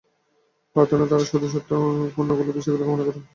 প্রার্থনাদিতে তারা শুধু স্বার্থপূর্ণ বিষয়গুলিই কামনা করে।